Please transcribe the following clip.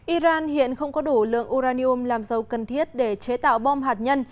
iran hiện không có đủ lượng uranium làm dầu cần thiết để chế tạo bom hạt nhân